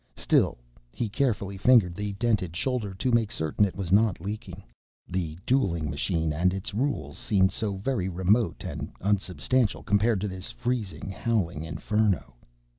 _ Still, he carefully fingered the dented shoulder to make certain it was not leaking. The dueling machine and its rules seemed so very remote and unsubstantial, compared to this freezing, howling inferno.